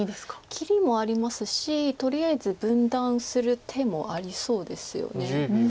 切りもありますしとりあえず分断する手もありそうですよね。